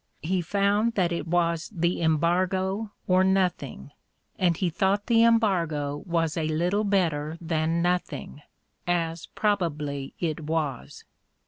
He found that it was the embargo or nothing, and he thought the embargo was a little better than nothing, as probably it was.